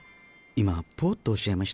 今「ポッ」とおっしゃいました？